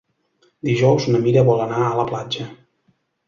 Dijous na Mira vol anar a la platja.